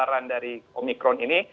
kelebaran dari omicron ini